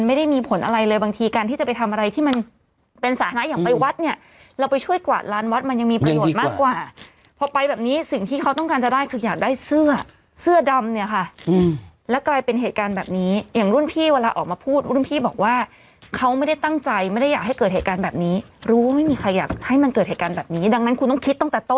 มันเกิดเหตุการณ์แบบนี้ดังนั้นคุณต้องคิดตั้งแต่ต้นแล้วไง